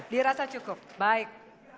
dirasa cukup baik